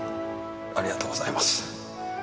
ありがとうございます。